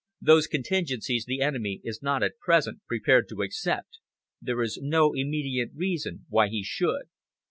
Those contingencies the enemy is not at present prepared to accept. There is no immediate reason why he should."